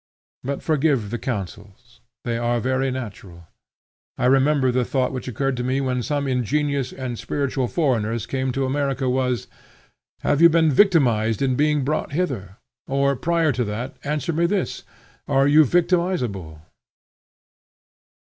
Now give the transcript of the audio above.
But forgive the counsels; they are very natural. I remember the thought which occurred to me when some ingenious and spiritual foreigners came to America, was, Have you been victimized in being brought hither? or, prior to that, answer me this, 'Are you victimizable?'